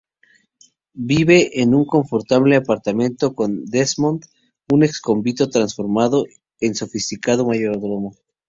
Vive en un confortable apartamento con "Desmond", un ex convicto transformado en sofisticado mayordomo.